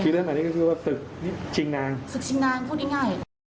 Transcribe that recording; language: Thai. เรื่องอันนี้ก็คือว่าตึกชิงนางศึกชิงนางพูดง่าย